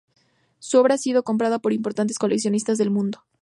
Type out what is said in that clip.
Su obra ha sido comprada por importantes coleccionistas del mundo.